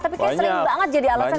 tapi kayaknya sering banget jadi alasan